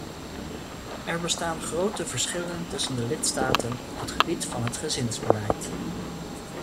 Er bestaan grote verschillen tussen de lidstaten op het gebied van het gezinsbeleid.